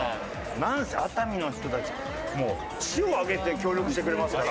なんせ熱海の人たちもう市を挙げて協力してくれますから。